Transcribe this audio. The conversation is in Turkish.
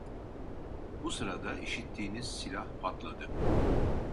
Bu sırada işittiğiniz silah patladı.